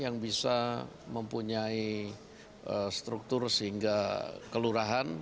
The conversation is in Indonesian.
yang bisa mempunyai struktur sehingga kelurahan